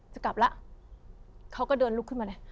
จะกลับแล้วเขาก็เดินลุกขึ้นมาเลย